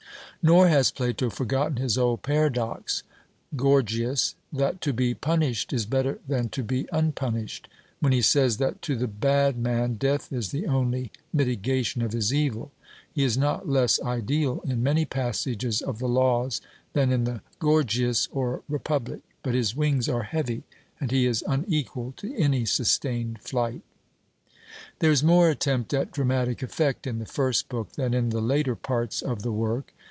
Nor has Plato forgotten his old paradox (Gorgias) that to be punished is better than to be unpunished, when he says, that to the bad man death is the only mitigation of his evil. He is not less ideal in many passages of the Laws than in the Gorgias or Republic. But his wings are heavy, and he is unequal to any sustained flight. There is more attempt at dramatic effect in the first book than in the later parts of the work.